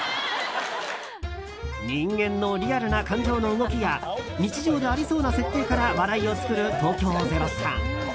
人間のリアルな感情の動きや日常でありそうな設定から笑いを作る東京０３。